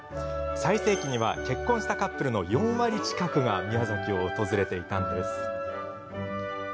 最盛期には結婚したカップルの４割近くが宮崎を訪れていたんです。